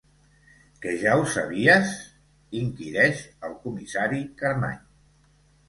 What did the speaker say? Que ja ho sabies? —inquireix el comissari Carmany.